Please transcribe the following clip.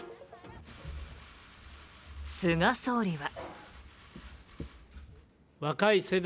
菅総理は。